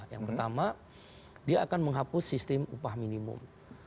yang pertama dia akan menghapus sistem upah minimum